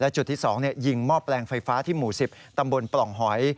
จุดที่๒ยิงหม้อแปลงไฟฟ้าที่หมู่๑๐ตำบลปล่องหอย